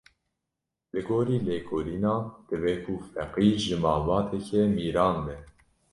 Li gorî lêkolînan dibe ku Feqî ji malbateke mîran be.